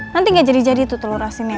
nanti gak jadi jadi tuh telur asinnya